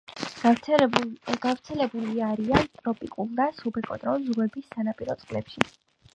გავრცელებული არიან ტროპიკული და სუბტროპიკული ზღვების სანაპირო წყლებში.